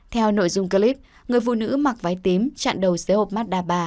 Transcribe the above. theo nội dung clip người phụ nữ mặc váy tím chặn đầu xe ôm mazda ba